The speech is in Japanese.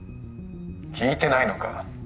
聞いてないのか？